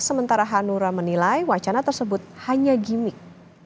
sementara hanura menilai wacana tersebut hanya gimmick